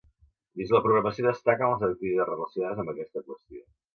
Dins la programació destaquen les activitats relacionades amb aquesta qüestió.